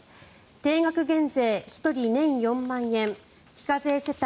定額減税１人年４万円非課税世帯